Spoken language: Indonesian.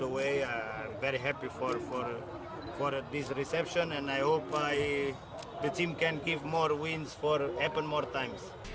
dan saya berharap tim ini bisa memberikan lebih banyak kemenangan untuk beberapa kali lagi